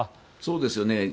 そうですよね。